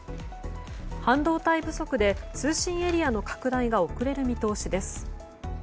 半導体不足で通信エリアの拡大が遅れる見通しです。